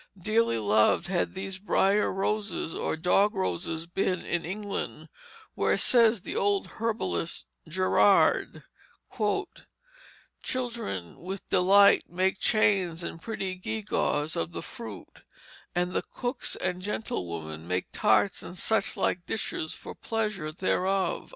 Dearly loved had these brier roses or dog roses been in England, where, says the old herbalist, Gerard, "children with delight make chains and pretty gewgawes of the fruit; and cookes and gentlewomen make tarts and suchlike dishes for pleasure thereof."